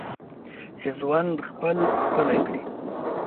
چې ژوند خپل ښکلی کړې.